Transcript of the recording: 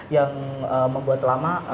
yang membuat lama